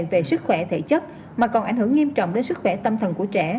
về sức khỏe thể chất mà còn ảnh hưởng nghiêm trọng đến sức khỏe tâm thần của trẻ